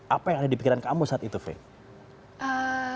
apa yang ada di pikiran kamu saat itu fake